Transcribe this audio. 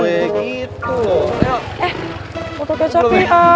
eh buka kecap ya